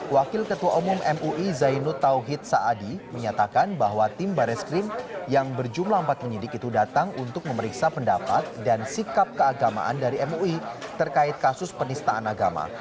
wakil ketua umum mui zainud tauhid saadi menyatakan bahwa tim baris krim yang berjumlah empat penyidik itu datang untuk memeriksa pendapat dan sikap keagamaan dari mui terkait kasus penistaan agama